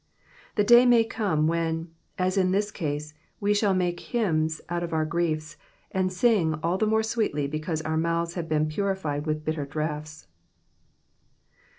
The day may come when, as in this case, we shall make hymns out of our griefs, and sing all the more sweetly because our mouths have been purified with bitter draughts.